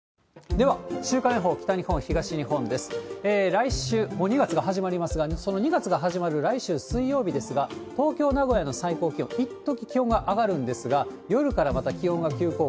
来週、もう２月が始まりますが、その２月が始まる来週水曜日ですが、東京、名古屋の最高気温、一時気温が上がるんですが、夜からまた気温が急降下。